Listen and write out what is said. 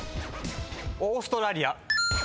オーストラリア。